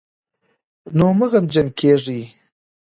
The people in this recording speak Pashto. نو مه غمجن کېږئ